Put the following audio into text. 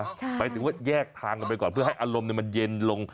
หมายถึงว่าแยกทางกันไปก่อนเพื่อให้อารมณ์มันเย็นลง